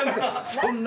そんな！